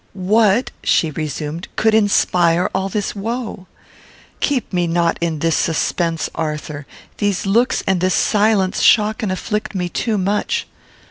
"What," she resumed, "could inspire all this woe? Keep me not in this suspense, Arthur; these looks and this silence shock and afflict me too much."